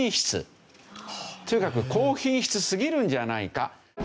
とにかく高品質すぎるんじゃないか。